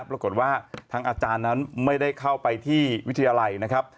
ปรากฏว่าทางอาจารย์นั้นไม่ได้เข้าไปที่วิทยาลัยนะครับ